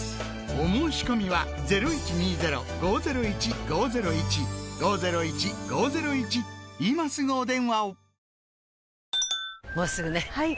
お申込みは今すぐお電話を！